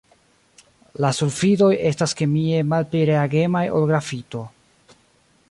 La sulfidoj estas kemie malpli reagemaj ol grafito.